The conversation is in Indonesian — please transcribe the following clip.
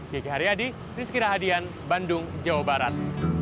kiki haryadi rizky rahadian bandung jawa barat